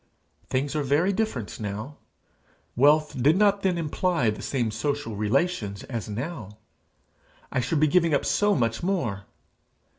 Things are very different now! Wealth did not then imply the same social relations as now! I should be giving up so much more!